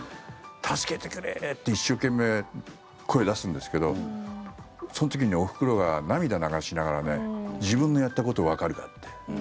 助けてくれー！って一生懸命、声を出すんですけどその時に、おふくろが涙流しながら自分のやったことわかるかって。